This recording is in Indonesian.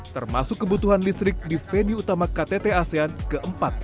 termasuk kebutuhan listrik di venue utama ktt asean ke empat puluh dua